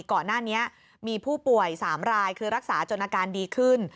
ก่อนหน้านี้มีผู้ป่วย๓รายคือรักษาจนอาการดีขึ้น